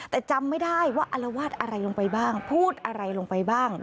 แต่จำไม่ได้ว่าอลวาดอะไรลงไปบ้างพูดอะไรลงไปบ้าง